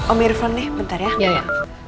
om irfan nih bentar ya